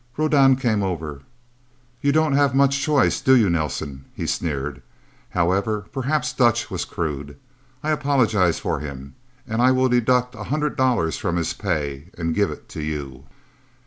Rodan came over. "You don't have much choice, do you, Nelsen?" he sneered. "However, perhaps Dutch was crude. I apologize for him. And I will deduct a hundred dollars from his pay, and give it to you."